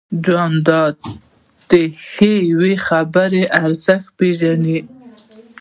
جانداد د ښې یوې خبرې ارزښت پېژني.